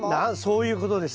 そういうことです。